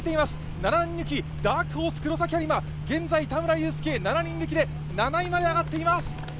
７人抜き、ダークホース・黒崎播磨、現在、田村友佑、７人抜きで７位まで上がっています。